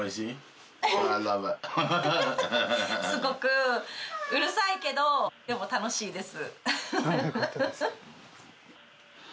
すごくうるさいけど、でも楽しいです。